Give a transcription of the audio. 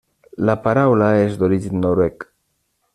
La paraula és d'origen noruec.